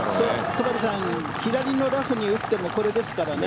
戸張さん、左のラフに打ってもこれですからね。